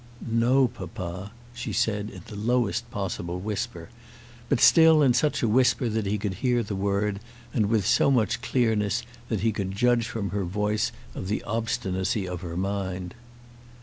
"No, papa," she said, in the lowest possible whisper, but still in such a whisper that he could hear the word, and with so much clearness that he could judge from her voice of the obstinacy of her mind.